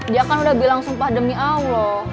dia kan udah bilang sumpah demi allah